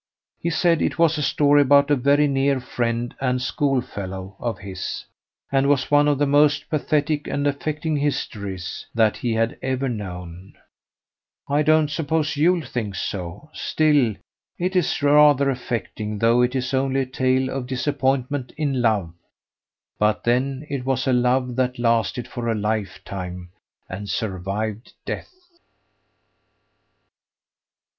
He said it was a story about a very near friend and schoolfellow of his, and was one of the most pathetic and affecting histories that he had ever known. I don't suppose you'll think so. Still it is rather affecting, though it is only a tale of disappointment in love; but then it was a love that lasted for a lifetime and survived death."